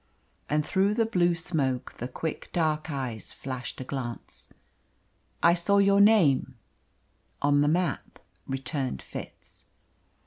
And through the blue smoke the quick dark eyes flashed a glance. "I saw your name on the map," returned Fitz.